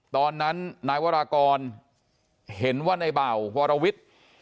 ตอนนั้นนายวรากรเห็นว่าในเบาวรวิทย์